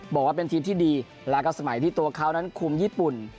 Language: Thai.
บอกว่าเป็นทีมที่ดีแล้วก็สมัยที่ตัวเขานั้นคุมญี่ปุ่น